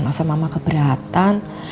masa mama keberatan